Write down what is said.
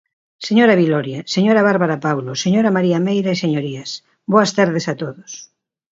Señora Viloira, señora Bárbara Paulo, señora María Meira e señorías, boas tardes a todos.